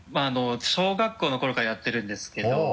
小学校の頃からやってるんですけど。